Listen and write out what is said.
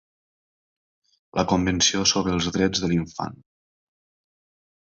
La Convenció sobre els drets de l'Infant.